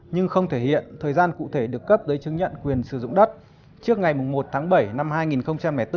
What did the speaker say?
nhưng không thể hiện thời gian cụ thể được cấp giấy chứng nhận quyền sử dụng đất trước ngày một tháng bảy năm hai nghìn bốn